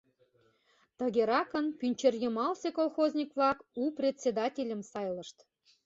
Тыгеракын Пӱнчерйымалсе колхозник-влак у председательым сайлышт.